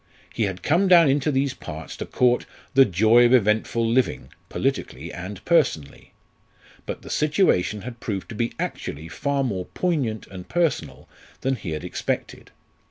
He had come down into these parts to court "the joy of eventful living" politically and personally. But the situation had proved to be actually far more poignant and personal than he had expected.